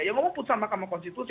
yang omong putusan mahkamah konstitusi